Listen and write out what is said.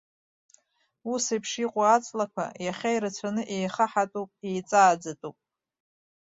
Ус еиԥш иҟоу аҵлақәа иахьа ирацәаны еихаҳатәуп, еиҵааӡатәуп.